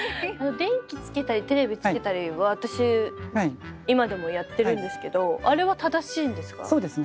電気つけたりテレビつけたりは私今でもやってるんですけどあれは正しいんですか？